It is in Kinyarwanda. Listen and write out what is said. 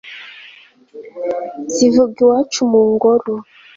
zivuga iwacu mu ngoro